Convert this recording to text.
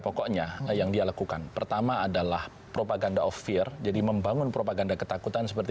pokoknya yang dia lakukan pertama adalah propaganda of fear jadi membangun propaganda ketakutan seperti